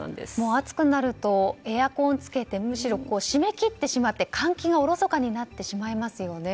暑くなるとエアコンをつけてむしろ閉めきってしまって換気がおろそかになってしまいますよね。